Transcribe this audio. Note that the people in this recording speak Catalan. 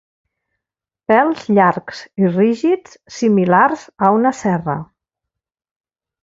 Pèls llargs i rígids similars a una cerra.